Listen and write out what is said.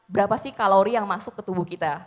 berapa sih kalori yang masuk ke tubuh kita